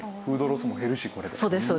フードロスも減るしこれで。